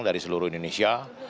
dari seluruh indonesia